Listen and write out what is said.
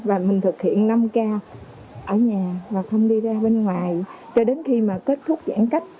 và mình thực hiện năm k ở nhà và không đi ra bên ngoài cho đến khi mà kết thúc giãn cách